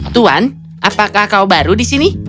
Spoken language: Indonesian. tuan apakah kau baru di sini